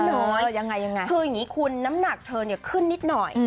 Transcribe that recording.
คืออย่างนี้คุณน้ำหนักเธอเนี่ยขึ้นนิดหน่อย